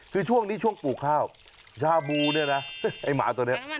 คือช่วงนี้ช่วงปลูกข้าวชาบูเนี่ยนะไอ้หมาตัวนี้